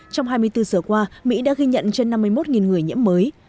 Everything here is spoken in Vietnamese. trong hai mươi bốn giờ qua mỹ đã ghi nhận trên năm mươi một người nhiễm mới